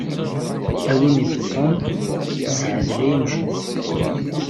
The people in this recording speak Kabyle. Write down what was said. A win ibeṭṭun, ssaɛdel ay amcum!